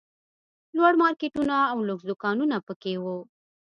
لوړ مارکېټونه او لوکس دوکانونه پکښې وو.